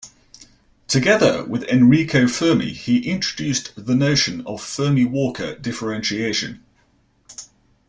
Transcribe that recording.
Together with Enrico Fermi, he introduced the notion of Fermi-Walker differentiation.